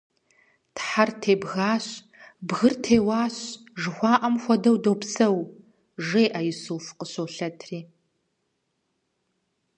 Тхьэр тебгащ, бгыр теуащ, жыхуаӀэм хуэдэу допсэу, – жеӀэ Исуф къыщолъэтри.